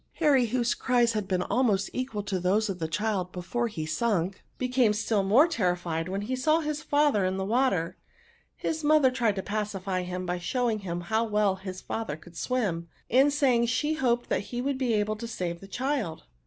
Harry, whose cries had almost equalled those of the child before he sunk, became still more terrified when he saw his father in the water. His mother tried to pacify him, by showing him how well his fitther could swim, and saying she hoped he would be able to save the child.